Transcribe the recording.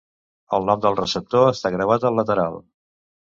El nom del receptor està gravat al lateral.